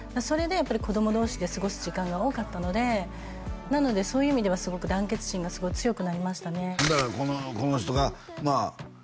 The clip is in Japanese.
それでやっぱり子ども同士で過ごす時間が多かったのでなのでそういう意味では団結心がすごい強くなりましたねだからこの人がまあ